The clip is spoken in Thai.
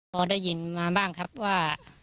พอได้ยินมาบ้างครับว่า